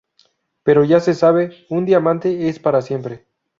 Pero ya se sabe: un diamante es para siempre.